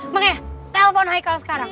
makanya telepon haikal sekarang